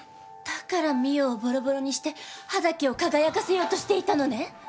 だから澪をボロボロにして歯だけを輝かせようとしていたのね。